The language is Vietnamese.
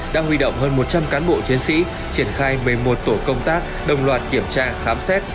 đã huy động hơn một trăm linh cán bộ chiến sĩ triển khai một mươi một tổ công tác đồng loạt kiểm tra khám xét